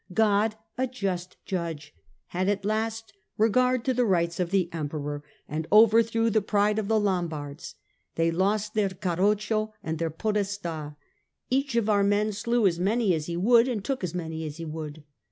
" God, a just Judge, had at last regard to the rights of the Emperor and overthrew the pride of the Lombards : they lost their Carroccio and their Podesta : each of our men slew as many as he would and took as many as he would.